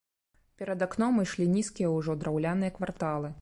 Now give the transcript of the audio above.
Перад акном ішлі нізкія ўжо, драўляныя кварталы.